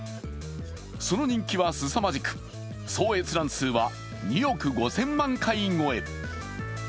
その人気はすさまじく、総閲覧数は２億５０００万回超え。